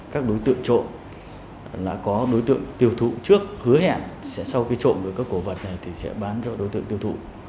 các đối tượng trộm là có đối tượng tiêu thụ trước hứa hẹn sau khi trộm được các cổ vật này thì sẽ bán cho đối tượng tiêu thụ